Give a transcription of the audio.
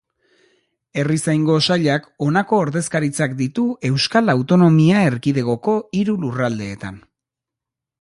Herrizaingo Sailak honako ordezkaritzak ditu Euskal Autonomia Erkidegoko hiru lurraldeetan.